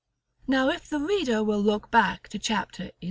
] Now, if the reader will look back to Chapter XI.